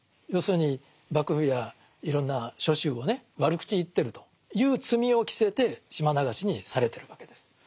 要するに幕府やいろんな諸宗をね悪口言ってるという罪を着せて島流しにされてるわけです。